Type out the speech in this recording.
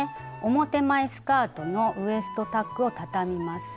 表前スカートのウエストタックをたたみます。